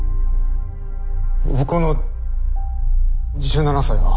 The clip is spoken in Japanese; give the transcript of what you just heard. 僕の１７才は。